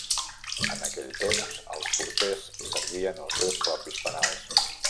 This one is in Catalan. En aquell temps, els porters servien els seus propis penals.